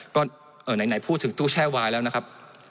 ก็ไหนพูดถึงตู้แช่วายแล้วนะครับ